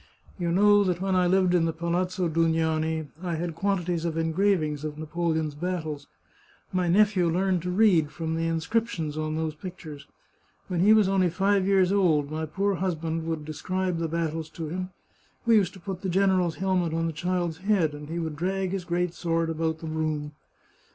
You know that when I lived in the Palazzo Dugnani I had quantities of engravings of Napoleon's battles. My nephew learned to read from the inscriptions on those pictures. When he was only five years old my poor husband would de scribe the battles to him ; we used to put the general's helmet on the child's head, and he would drag his great sword about the room.